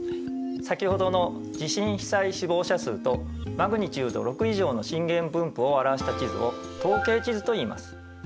先ほどの地震被災死亡者数とマグニチュード６以上の震源分布を表した地図を統計地図といいます。